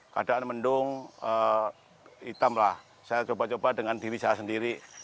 keadaan mendung hitam lah saya coba coba dengan diri saya sendiri